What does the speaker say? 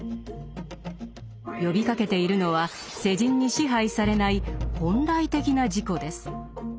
呼びかけているのは世人に支配されない「本来的な自己」です。